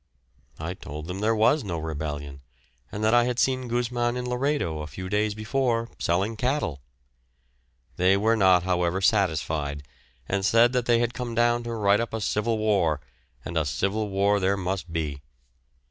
I told them there was no rebellion, and that I had seen Gusman in Laredo a few days before, selling cattle. They were not, however, satisfied, and said that they had come down to write up a civil war, and a civil war there must be.